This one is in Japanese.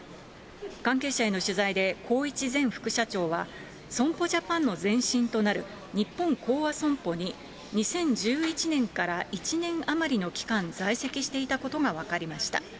関係者への取材で、宏一前副社長は、損保ジャパンの前身となる日本興亜損保に、２０１１年から１年余りの期間、在籍していたことが分かりました。